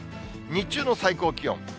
日中の最高気温。